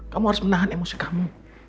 kamu harus menahan emosi kamu